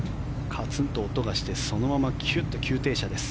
カツンと音がしてそのままキュッと急停車です。